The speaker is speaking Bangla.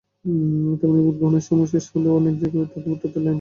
তেমনি ভোট গ্রহণের সময় শেষ হলেও অনেক জায়গায়ই রয়েছে ভোটারদের লাইন।